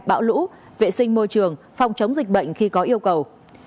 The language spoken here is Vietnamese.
bão lũ vệ sinh môi trường phòng chống dịch bệnh khi có yêu cầu